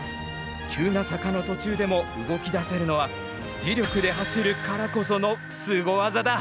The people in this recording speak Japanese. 急な坂の途中でも動きだせるのは磁力で走るからこそのスゴ技だ。